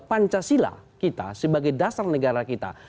pancasila kita sebagai dasar negara kita